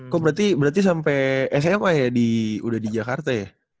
kok berarti sampai sma ya udah di jakarta ya